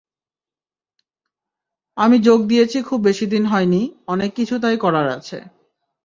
আমি যোগ দিয়েছি খুব বেশি দিন হয়নি, অনেক কিছু তাই করার আছে।